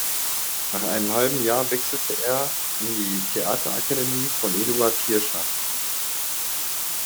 Nach einem halben Jahr wechselte er an die Theaterakademie von Eduard Kirschner.